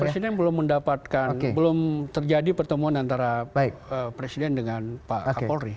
presiden belum mendapatkan belum terjadi pertemuan antara presiden dengan pak kapolri